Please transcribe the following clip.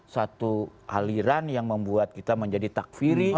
satu aliran yang membuat kita menjadi takfiri